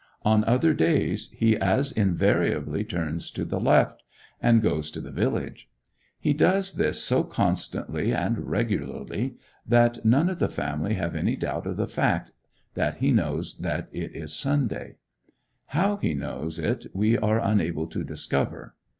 On other days, he as invariably turns to the left, and goes to the village. He does this so constantly and regularly, that none of the family have any doubt of the fact that he knows that it is Sunday; how he knows it we are unable to discover.